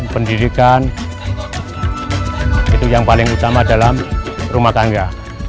pendidikan itu yang paling utama dalam rumah tangga